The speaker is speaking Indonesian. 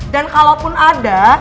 dan kalaupun ada